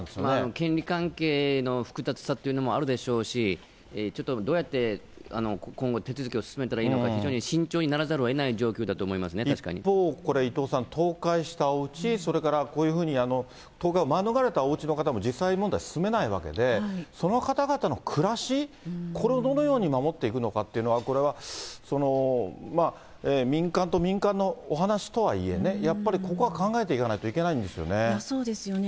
権利関係の複雑さというのもあるでしょうし、ちょっとどうやって今後、手続きを進めたらいいのか、非常に慎重にならざるをえない状況だ一方、これ、伊藤さん、倒壊したおうち、それからこういうふうに、倒壊免れたおうちの方も実際問題、住めないわけで、その方々の暮らし、これをどのように守っていくのかというのは、これは民間と民間のお話とはいえね、やっぱりここは考えていかないといけないんですよね。